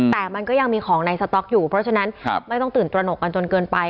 แต่มันก็ยังมีของในสต๊อกอยู่เพราะฉะนั้นไม่ต้องตื่นตระหนกกันจนเกินไป